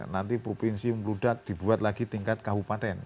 nanti provinsi membludak dibuat lagi tingkat kabupaten